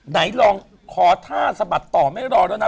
ไหนลองขอท่าสะบัดต่อไม่รอแล้วนะ